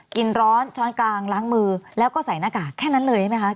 กินร้อนช้อนกลางล้างมือแล้วก็ใส่หน้ากากแค่นั้นเลยใช่ไหมคะ